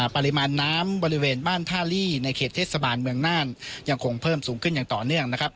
ปริมาณน้ำบริเวณบ้านท่าลี่ในเขตเทศบาลเมืองน่านยังคงเพิ่มสูงขึ้นอย่างต่อเนื่องนะครับ